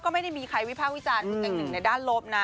ก็ไม่ได้มีใครวิพากษ์วิจารณ์คุณแตงหนึ่งในด้านลบนะ